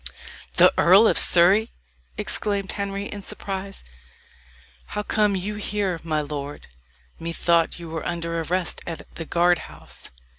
"The Earl of Surrey!" exclaimed Henry, in surprise. "How come you here, my lord? Methought you were under arrest at the guard house."